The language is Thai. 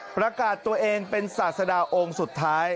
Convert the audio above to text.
ประกาศตัวเองเป็นศาสดาองค์สุดท้าย